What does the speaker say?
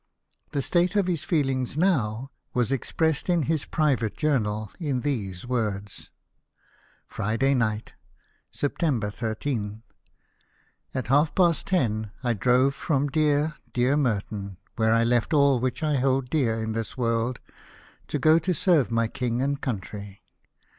The state of his feelings now was expressed in his private journal in these words :— "Friday night (Sept. 13), at half past ten, I drove from dear, dear Merton, where I left all which I hold dear in this world, to go to serve my King and country.